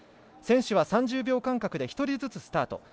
選手は３０秒間隔で１人ずつスタート。